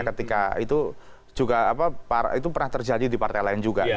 ketika itu juga pernah terjadi di partai lain juga